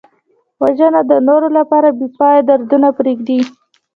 وژنه د نورو لپاره بېپایه دردونه پرېږدي